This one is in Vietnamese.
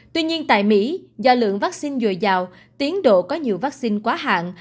tuy nhiên tại mỹ do lượng vaccine dồi dào tiến độ có nhiều vaccine quá hạn